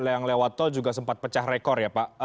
yang lewat tol juga sempat pecah rekor ya pak